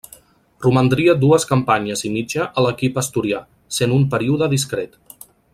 Romandria dues campanyes i mitja a l'equip asturià, sent un període discret.